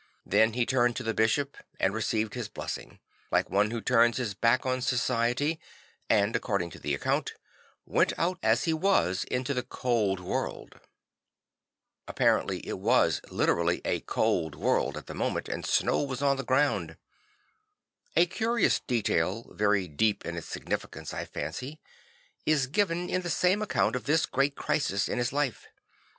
Then he turned to the bishop, and received his blessing, like one who turns his back on society; and, according to the account, went out as he was into the cold world. Apparently it was literally 62 St. Francis of Assisi a cold world at the moment, and snow was on the ground. A curious detail, very deep in its significance, I fancy, is given in the same account of this great crisis in his life.